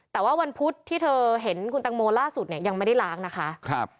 แต่ว่าวันพุธที่เธอเห็นคุณตังโมล่าสุดเนี่ยยังไม่ได้ล้างนะคะ